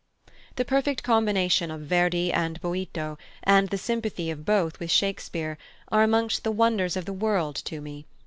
The perfect combination of Verdi and Boito, and the sympathy of both with Shakespeare, are amongst the wonders of the world to me.